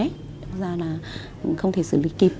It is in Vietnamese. thế ra là không thể xử lý kịp